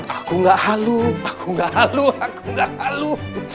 aku gak halu aku gak halu aku gak alu